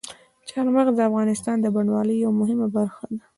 چار مغز د افغانستان د بڼوالۍ یوه مهمه برخه ده.